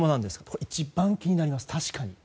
確かに、一番気になります。